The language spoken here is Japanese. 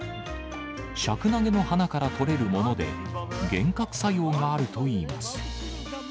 シャクナゲの花から採れるもので、幻覚作用があるといいます。